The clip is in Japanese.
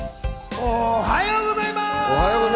おはようございます。